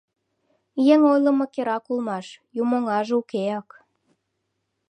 Еҥ ойлымо керак улмаш: юмоҥаже укеак.